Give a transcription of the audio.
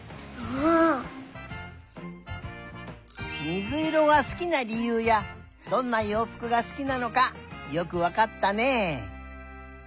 みずいろがすきなりゆうやどんなようふくがすきなのかよくわかったね。